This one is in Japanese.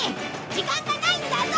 時間がないんだぞ！